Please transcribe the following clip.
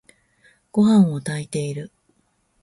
ごはんを炊いている。